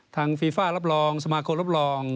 ฟีฟ่ารับรองสมาคมรับรอง